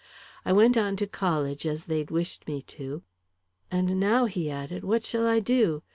I went on to college, as they'd wished me to. And now," he added, "what shall I do?